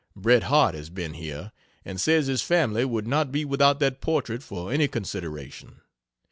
Bret Harte has been here, and says his family would not be without that portrait for any consideration.